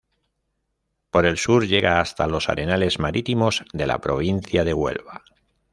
Por el sur llega hasta los arenales marítimos de la provincia de Huelva.